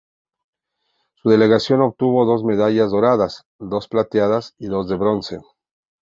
Su delegación obtuvo dos medallas doradas, dos plateadas y dos de bronce.